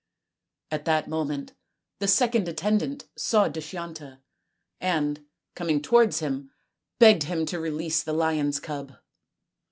" At that moment the second attendant saw Dushyanta, and coming towards him begged him to release the lion's cub.